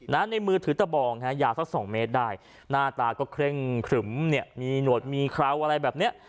ในมือถือตะบองฮะยาวสักสองเมตรได้หน้าตาก็เคร่งครึมเนี่ยมีหนวดมีเคราวอะไรแบบเนี้ย